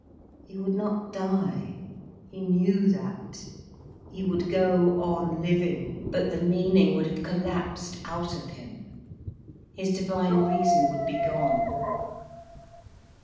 He would not die. He knew that. He would go on living, but the meaning would have collapsed out of him, his divine reason would be gone.